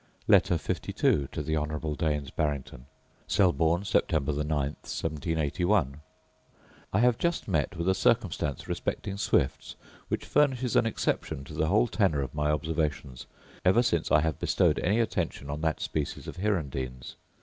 Letter LII To The Honourable Daines Barrington Selborne, Sept. 9, 1781. I have just met with a circumstance respecting swifts, which furnishes an exception to the whole tenor of my observations ever since I have bestowed any attention on that species of hirundines.